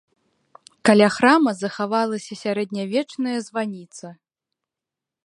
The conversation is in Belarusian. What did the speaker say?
Каля храма захавалася сярэднявечная званіца.